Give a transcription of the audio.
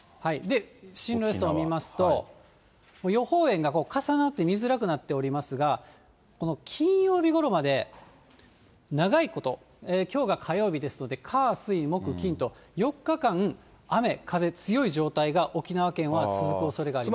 進路予想見ますと、予報円が重なって、見づらくなっておりますが、この金曜日ごろまで長いこと、きょうが火曜日ですので、火、水、木、金と４日間、雨、風強い状態が沖縄県は続くおそれがあります。